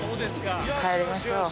帰りましょう。